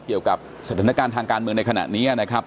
เกี่ยวกับสถานการณ์ทางการเมืองในขณะนี้นะครับ